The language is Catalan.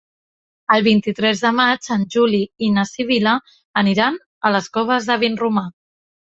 El vint-i-tres de maig en Juli i na Sibil·la aniran a les Coves de Vinromà.